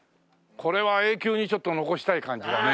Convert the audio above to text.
これは永久にちょっと残したい感じだね。